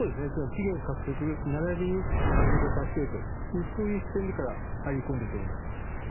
資源獲得ならびにアフリカを助けるそういう視点で入り込んでいっていると思います。